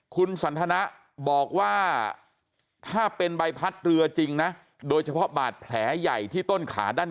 คุณสันทนะบอกว่าถ้าเป็นใบพัดเรือจริงนะโดยเฉพาะบาดแผลใหญ่ที่ต้นขาด้าน